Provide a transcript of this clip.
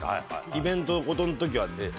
イベント事の時は。